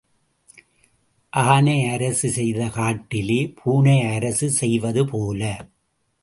ஆனை அரசு செய்த காட்டிலே பூனை அரசு செய்வது போல.